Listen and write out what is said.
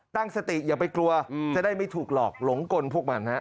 ตั้งสติอย่าไปกลัวจะได้ไม่ถูกหลอกหลงกลพวกมันฮะ